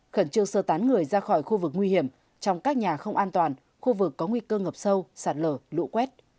khẩn trương sơ tán người ra khỏi khu vực nguy hiểm trong các nhà không an toàn khu vực có nguy cơ ngập sâu sạt lở lũ quét